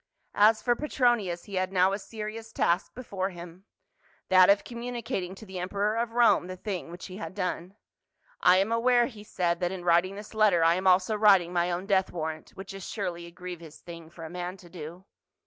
As for Petronius, he had now a serious task before THE COLOSSUS OF SIDON. 179 him, that of communicating to the emperor of Rome the thing which he had done. "I am aware," he said, "that in writing this letter I am also writing my own death warrant, which is surely a grievous thing for a man to do."